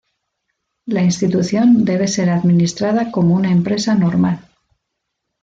La institución debe ser administrada como una empresa normal.